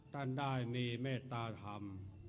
ท่านได้มีเมตตาธรรม